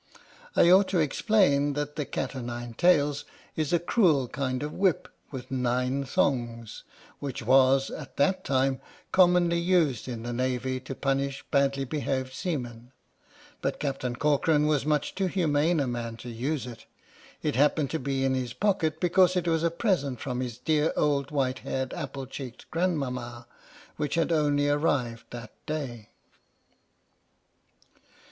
I ought to explain that the cat o' nine tails is a cruel kind of whip with nine thongs, which was, at that time, commonly used in the Navy to punish badly behaved seamen, but Captain Corcoran was much too humane a man to use it. It happened to be in his pocket because it was a present from his dear old white haired apple cheeked grandmama which had only arrived that day.